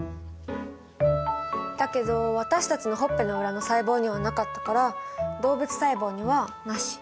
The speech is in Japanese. だけど私たちのほっぺの裏の細胞にはなかったから動物細胞にはなし。